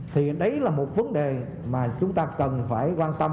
thì đấy là một vấn đề mà chúng ta cần phải quan tâm